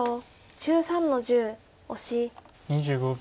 ２５秒。